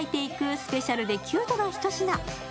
スペシャルでキュートなひと品。